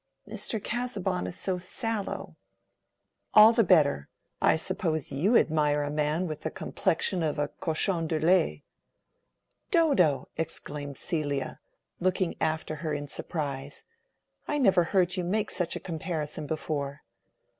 "Mr. Casaubon is so sallow." "All the better. I suppose you admire a man with the complexion of a cochon de lait." "Dodo!" exclaimed Celia, looking after her in surprise. "I never heard you make such a comparison before."